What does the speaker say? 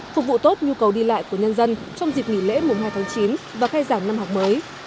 phục vụ tốt nhu cầu đi lại của nhân dân trong dịp nghỉ lễ mùng hai tháng chín và khai giảng năm học mới